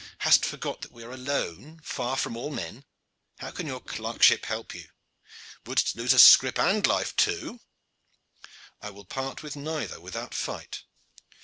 Hast forgot that we are alone far from all men? How can your clerkship help you? Wouldst lose scrip and life too?" "I will part with neither without fight."